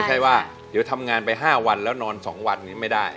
ใช่ว่าเดี๋ยวทำงานไป๕วันแล้วนอน๒วันนี้ไม่ได้